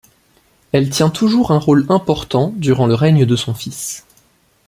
Elle tient toujours un rôle important durant le règne de son fils.